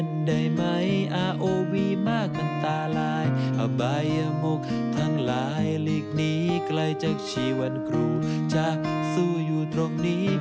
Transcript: ไกลจากชีวิตครูจะสู้อยู่ตรงนี้